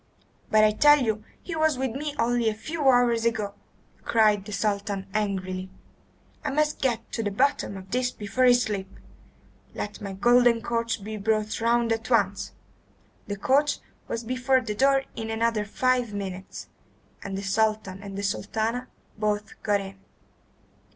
"But I tell you he was with me only a few hours ago," cried the Sultan angrily. "I must get to the bottom of this before I sleep! Let my golden coach be brought round at once." The coach was before the door in another five minutes, and the Sultan and Sultana both got in.